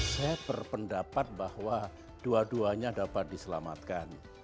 saya berpendapat bahwa dua duanya dapat diselamatkan